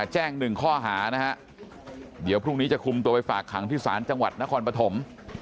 แจ้ง๑ข้อหานะเดี๋ยวพรุ่งนี้จะขุมไปฝากหางทฤษานจังหวัดนครปฐม